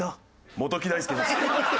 元木大介です。